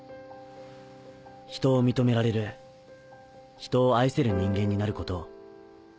ひとを認められるひとを愛せる人間になることを